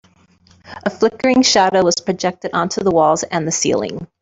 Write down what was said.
A flickering shadow was projected onto the walls and the ceiling.